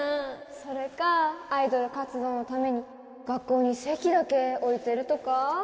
それかアイドル活動のために学校に籍だけ置いてるとか？